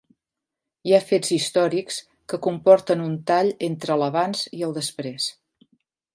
Hi ha fets històrics que comporten un tall entre l'abans i el després.